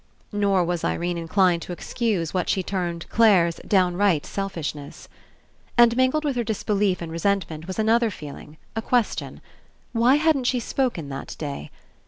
Nor was Irene inclined to excuse what she termed Clare's downright selfishness. And mingled with her disbelief and re sentment was another feeling, a question. Why hadn't she spoken that day?